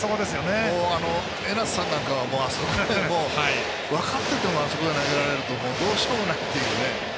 江夏さんは、あそこに分かっててもあそこへ投げられるとどうしようもないっていうね。